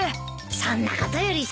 そんなことよりさ